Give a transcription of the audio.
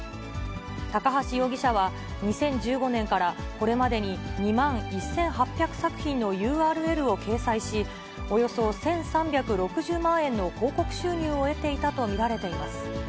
高橋容疑者は２０１５年から、これまでに２万１８００作品のＵＲＬを掲載し、およそ１３６０万円の広告収入を得ていたと見られています。